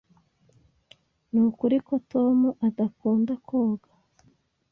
Nukuri ko Tom adakunda koga?